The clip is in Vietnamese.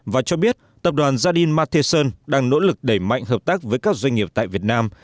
và cho biết tập đoàn gia điên matheson đang nỗ lực đẩy mạnh hợp tác với các doanh nghiệp tại việt nam